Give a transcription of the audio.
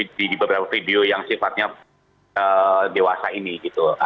di beberapa video yang sifatnya dewasa ini gitu